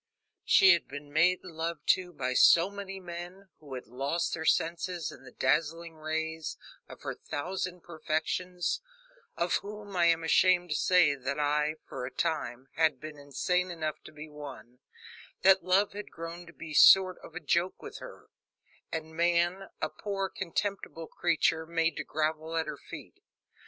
She had been made love to by so many men, who had lost their senses in the dazzling rays of her thousand perfections of whom, I am ashamed to say, that I, for a time, had been insane enough to be one that love had grown to be a sort of joke with her, and man, a poor, contemptible creature, made to grovel at her feet.